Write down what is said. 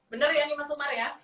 bener ya nih mas umar ya